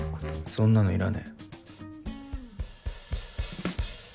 そんなのいらねぇ。